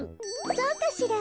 そうかしら。